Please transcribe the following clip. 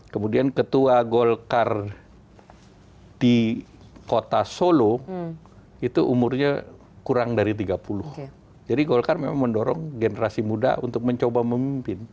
kemudian ketua golkar di kota solo itu umurnya kurang dari tiga puluh jadi golkar memang mendorong generasi muda untuk mencoba memimpin